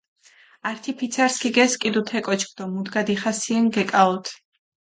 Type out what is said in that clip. ართი ფიცარს ქიგესქიდუ თე კოჩქ დო მუდგა დიხასიენ გეკაჸოთჷ.